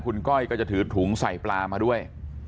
คุณก้อยก็จะถือถุงใส่ปลามาด้วย